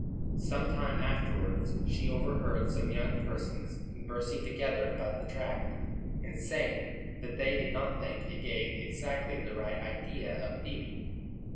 Some time afterwards she overheard some young persons conversing together about the tract, and saying that they did not think it gave exactly the right idea of Phebe.